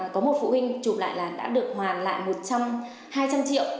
có một phụ huynh chụp lại là đã được hoàn lại một trăm hai trăm triệu